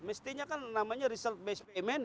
mestinya kan namanya result based payment